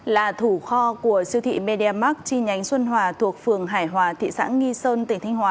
là thủ kho của siêu thị mediamarkt chi nhánh xuân hòa thuộc phường hải hòa thị xã nghi sơn tỉnh thánh hóa